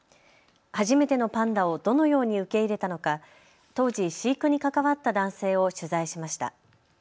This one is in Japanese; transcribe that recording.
初めてのパンダをどのように受け入れたのか当時、飼育に関わった男性を取材しました。